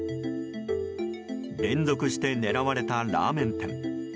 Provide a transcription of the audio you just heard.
連続して狙われたラーメン店。